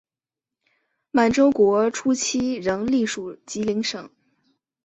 满洲国初期仍隶属吉林省。